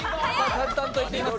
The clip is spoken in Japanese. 淡々といっています